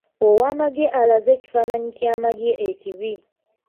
Ow'amagye alaze ekifaananyi ky'amagye ekibi.